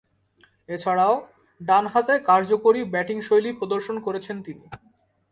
এছাড়াও, ডানহাতে কার্যকরী ব্যাটিংশৈলী প্রদর্শন করেছেন তিনি।